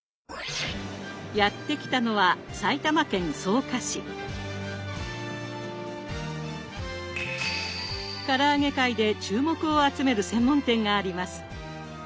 やって来たのはから揚げ界で注目を集める専門店があります。